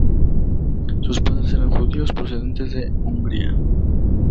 Sus padres era judíos procedentes de Hungría.